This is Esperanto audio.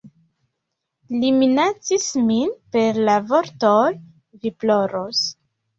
Li minacis min per la vortoj "Vi ploros!